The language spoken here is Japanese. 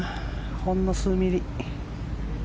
ほんの数ミリ。